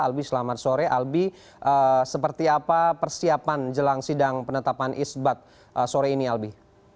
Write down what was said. albi selamat sore albi seperti apa persiapan jelang sidang penetapan isbat sore ini albi